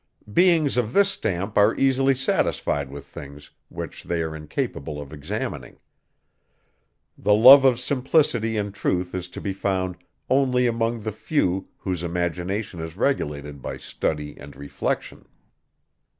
Beings of this stamp are easily satisfied with things, which they are incapable of examining. The love of simplicity and truth is to be found only among the few, whose imagination is regulated by study and reflection.